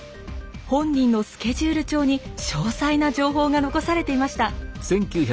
本人のスケジュール帳に詳細な情報が残されていました。